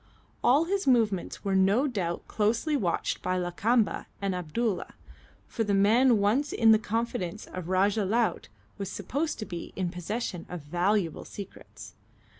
All his movements were no doubt closely watched by Lakamba and Abdulla, for the man once in the confidence of Rajah Laut was supposed to be in possession of valuable secrets.